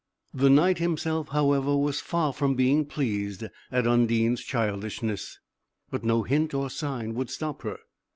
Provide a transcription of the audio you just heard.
The Knight himself, however, was far from being pleased at Undine's childishness; but no hint or sign would stop her.